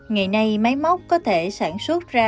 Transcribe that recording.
ngày nay máy móc có thể sản xuất ra